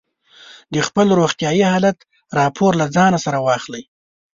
د خپل روغتیايي حالت راپور له ځان سره واخلئ.